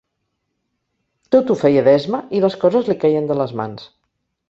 Tot ho feia d'esma i les coses li queien de les mans.